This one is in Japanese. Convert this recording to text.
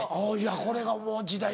これがもう時代。